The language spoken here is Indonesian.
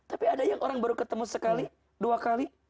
tapi ada yang orang baru ketemu sekali dua kali